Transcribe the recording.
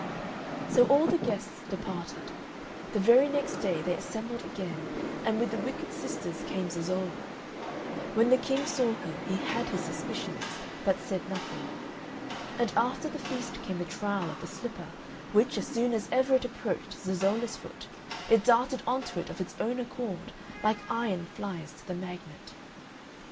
So all the guests departed the very next day they assembled again, and with the wicked sisters came Zezolla. When the King saw her he had his suspicions, but said nothing. And after the feast came the trial of the slipper, which, as soon as ever it approached Zezolla's foot, it darted on to it of its own accord like iron flies to the magnet.